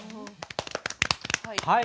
はい。